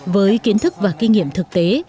với kiến thức và kinh nghiệm thực tế